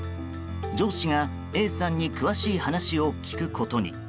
上司がＡさんに詳しい話を聞くことに。